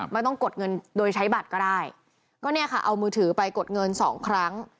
ไม่ต้องกดเงินโดยใช้บัตรก็ได้ก็เนี่ยค่ะเอามือถือไปกดเงินสองครั้ง